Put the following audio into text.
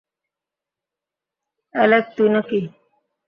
Alec তুই নাকি?